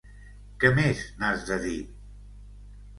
Què més n'has de dir?